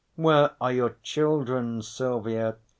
"Where are your children, Silvia?"